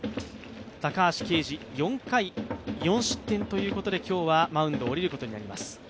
高橋奎二、４回４失点ということで今日はマウンドを下りることになります。